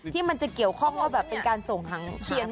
ที่มันจะเกี่ยวข้องว่าเป็นการส่งทางเมืองกราฟันนะ